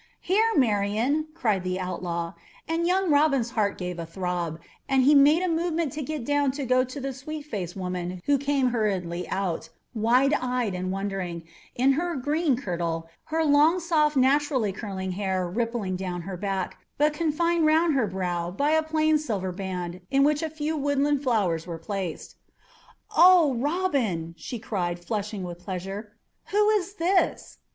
"Here, Marian," cried the outlaw, and young Robin's heart gave a throb and he made a movement to get down to go to the sweet faced woman who came hurriedly out, wide eyed and wondering, in her green kirtle, her long soft naturally curling hair rippling down her back, but confined round her brow by a plain silver band in which a few woodland flowers were placed. "Oh! Robin," she cried, flushing with pleasure; "who is this?"